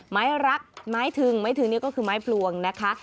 ไม้รักไม้ถึงไม้ทึงนี่ก็คือไม้พลวงนะคะ